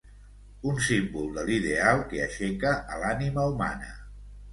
Un símbol de l'ideal que aixeca a l'ànima humana